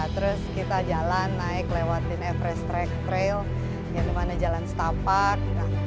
terus kita jalan naik lewatin everest trail yang dimana jalan setapak